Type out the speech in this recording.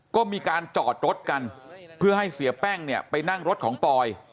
ก็มีการจอดรถกันเพื่อให้เสียแป้งเนี่ยไปนั่งรถของปอย